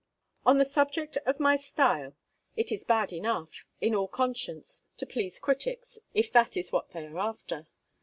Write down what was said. On the subject of my style, it is bad enough, in all conscience, to please critics, if that is what they are after.